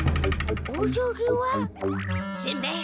しんべヱ。